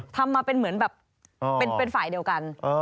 ทำมาเป็นเหมือนแบบเป็นฝ่ายเดียวกัน